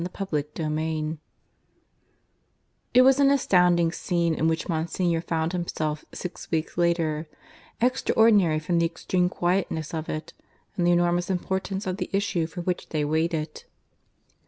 CHAPTER VI (I) It was an astounding scene in which Monsignor found himself, six weeks later extraordinary from the extreme quietness of it, and the enormous importance of the issue for which they waited.